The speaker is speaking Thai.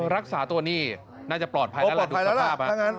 รักษาตัวนี่น่าจะปลอดภัยแล้วล่ะดูสภาพ